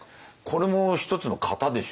これも１つの型でしょうね。